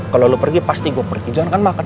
kalo lu pergi pasti gua pergi jangan makan